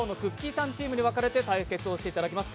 さんチームに分かれて対戦していただきます。